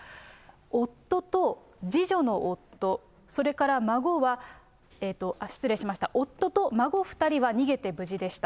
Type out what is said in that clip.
夫と次女の夫、それから孫は、失礼しました、夫と孫２人は逃げて無事でした。